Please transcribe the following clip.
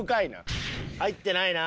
入ってないな。